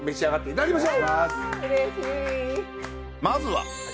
まずは。